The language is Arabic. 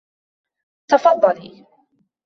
تفضّلي.